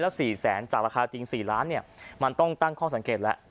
๔แสนจากราคาจริง๔ล้านเนี่ยมันต้องตั้งข้อสังเกตแล้ว